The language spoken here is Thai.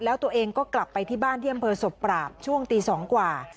แล้วตัวเองก็กลับไปที่บ้านที่อำเภอศพปราบช่วงตี๒กว่า